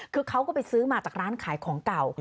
คือเขาก็ไปซื้อมาจากร้านขายของเก่า